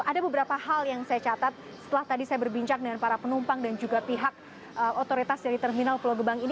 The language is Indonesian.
ada beberapa hal yang saya catat setelah tadi saya berbincang dengan para penumpang dan juga pihak otoritas dari terminal pulau gebang ini